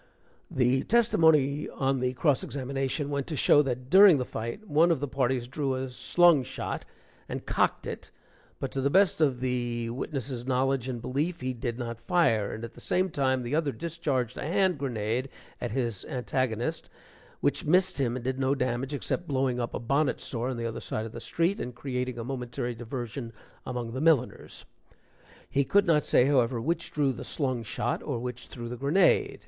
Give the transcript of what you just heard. (The testimony on the cross examination went to show that during the fight, one of the parties drew a slung shot and cocked it, but to the best of the witness' knowledge and belief, he did not fire; and at the same time, the other discharged a hand grenade at his antagonist, which missed him and did no damage, except blowing up a bonnet store on the other side of the street, and creating a momentary diversion among the milliners.) He could not say, however, which drew the slung shot or which threw the grenade.